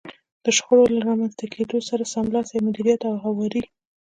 د شخړو له رامنځته کېدو سره سملاسي مديريت او هواری.